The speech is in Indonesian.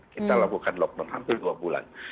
kita lakukan lockdown hampir dua bulan